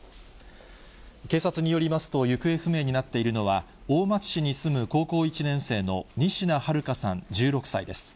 警察によりますと、行方不明になっているのは、大町市に住む高校１年生の仁科日花さん１６歳です。